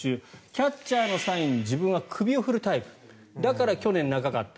キャッチャーのサインに自分は首を振るタイプだから去年長かった。